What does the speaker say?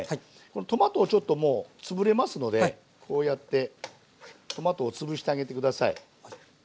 トマトをちょっともう潰れますのでこうやってトマトを潰してあげて下さい。